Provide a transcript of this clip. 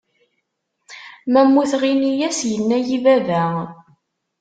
Ma mmuteɣ ini-as yenna-yi baba.